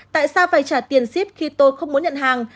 tại sao phải trả tiền ship khi tôi không muốn nhận hàng